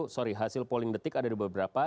sorry hasil polling the tick ada di beberapa